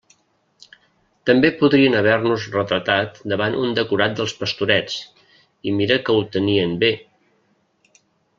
També podrien haver-nos retratat davant un decorat dels Pastorets, i mira que ho tenien bé.